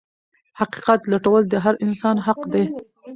حقيقت لټول د هر انسان حق دی.